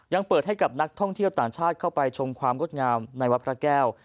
ยังเปิดให้กับนักท่องเที่ยวต่างชาติเข้าไปชมความงดงามในวัดพระแก้ว